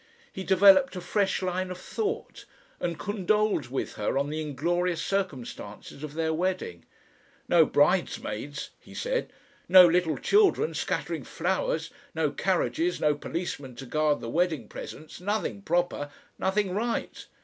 He developed a fresh line of thought, and condoled with her on the inglorious circumstances of their wedding. "No bridesmaids," he said; "no little children scattering flowers, no carriages, no policemen to guard the wedding presents, nothing proper nothing right.